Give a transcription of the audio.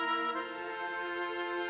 oh ini dong